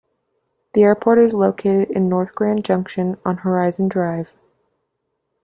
The airport is located in north Grand Junction on Horizon Drive.